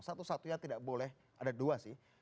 satu satunya tidak boleh ada dua sih